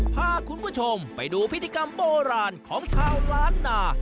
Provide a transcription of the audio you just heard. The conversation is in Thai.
พาคุณผู้ชมไปดูพิธีกรรมโบราณของชาวล้านนา